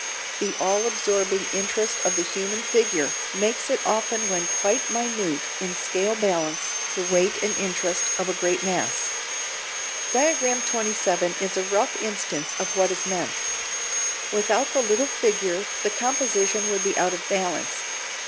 The all absorbing interest of the human figure makes it often when quite minute in scale balance the weight and interest of a great mass. Diagram XXVII is a rough instance of what is meant. Without the little figure the composition would be out of balance.